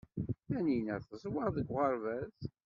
Tanina teẓwer deg uɣerbaz.